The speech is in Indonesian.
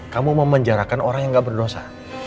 kamu memenjarakan orang yang gak berdosa